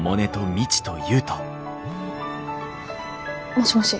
もしもし。